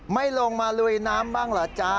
ไม่ลงมาลุยน้ำบ้างเหรอจ๊ะ